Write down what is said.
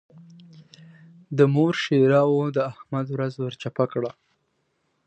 د مور ښېراوو د احمد ورځ ور چپه کړه.